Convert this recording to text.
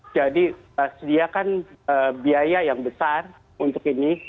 jadi sediakan biaya yang besar untuk ini